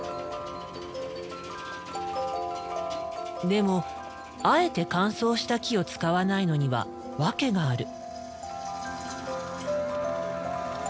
でもあえて乾燥した木を使わないのには訳がある。